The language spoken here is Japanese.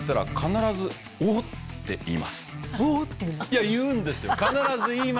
いや言うんですよ。